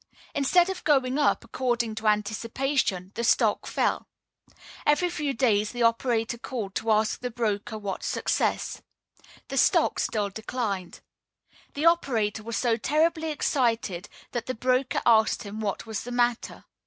Instead of going up, according to anticipation, the stock fell. Every few days the operator called to ask the broker what success. The stock still declined. The operator was so terribly excited that the broker asked him what was the matter.